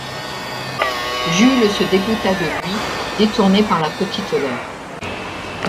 Jules se dégoûta de lui, détourné par la petite Laure.